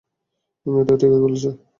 মেয়েটা ঠিকই বলেছে।